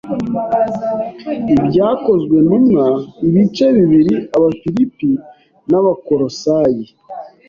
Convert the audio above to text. Ibyakozwentumwa ibice bibiri Abafilipi n’ Abakolosayi